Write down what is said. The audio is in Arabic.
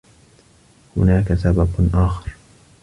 هناك سبب آخر.